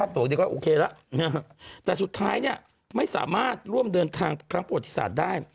แต่สุดท้ายไม่สามารถร่วมเดินทางประพบหุ่นภาคประกอบบศาสตร์ได้